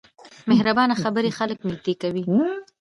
مهربانه خبرې خلک نږدې کوي.